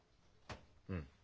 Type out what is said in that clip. うん。